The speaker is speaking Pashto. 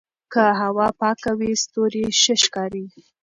که هوا پاکه وي ستوري ښه ښکاري.